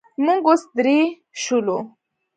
موږ اوس درې شولو.